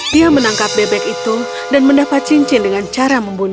dia menangkap bebek itu dan mendapat cincin dengan cara membunuh